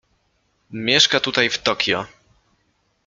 "Mieszka tutaj w Tokio."